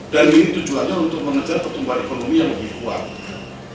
dan ini tujuannya untuk mengejar pertumbuhan ekonomi yang lebih kuat